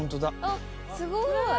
あっすごい！